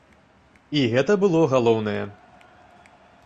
І гэта было галоўнае.